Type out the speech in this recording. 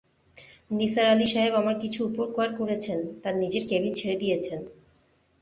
নিসার আলি সাহেব আমার কিছু উপকার করেছেন, তাঁর নিজের কেবিন ছেড়ে দিয়েছেন।